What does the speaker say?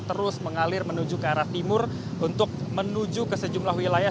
terus mengalir menuju ke arah timur untuk menuju ke sejumlah wilayah